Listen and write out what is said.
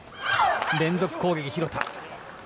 連続攻撃、廣田。